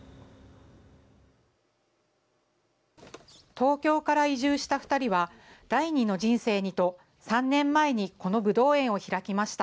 東京から移住した２人は、第二の人生にと、３年前にこのぶどう園を開きました。